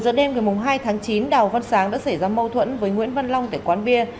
một mươi h đêm ngày hai tháng chín đào văn sáng đã xảy ra mâu thuẫn với nguyễn văn long tại quán bia